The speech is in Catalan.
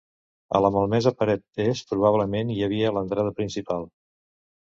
A la malmesa paret est probablement hi havia l'entrada principal.